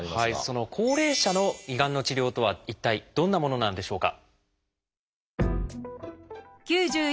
その高齢者の胃がんの治療とは一体どんなものなんでしょうか？